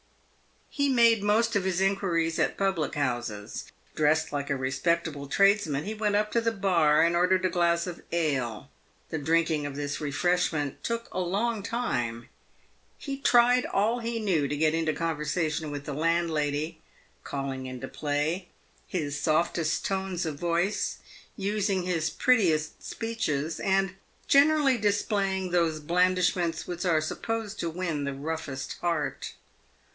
He made most of his inquiries at public houses. Dressed like a respectable tradesman, he went up to the bar and ordered a glass of ale. The drinking of this refreshment took a long time. He " tried all he knew" to get into conversation with the landlady, calling into play his softest tones of voice, using his prettiest speeches, and 380 PAVED WITH GOLD. generally displaying those blandishments which are supposed to win the roughest heart.